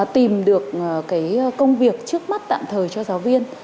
tìm được cái công việc trước mắt tạm thời cho giáo viên